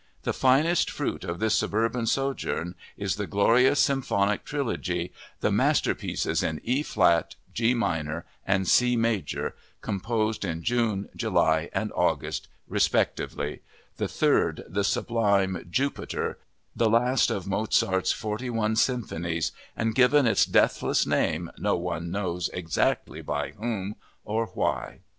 The finest fruit of this suburban sojourn is the glorious symphonic trilogy, the masterpieces in E flat, G minor, and C major, composed in June, July, and August, respectively—the third, the sublime "Jupiter," the last of Mozart's forty one symphonies and given its deathless name no one knows exactly by whom or why.